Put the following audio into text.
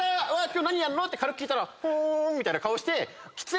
今日何やるの？って軽く聞いたら「ん」みたいな顔して。